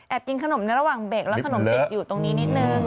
กินขนมในระหว่างเบรกแล้วขนมติดอยู่ตรงนี้นิดนึง